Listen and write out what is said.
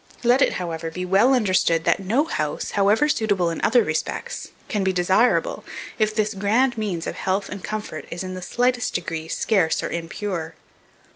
Let it, however, be well understood, that no house, however suitable in other respects, can be desirable, if this grand means of health and comfort is, in the slightest degree, scarce or impure.